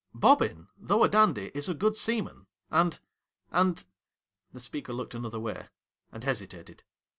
' Bobbin, though a dandy, is a good seaman, and — and .' The speaker looked another way, and hesitated.